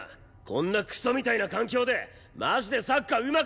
こんなクソみたいな環境でマジでサッカーうまくなんのか！？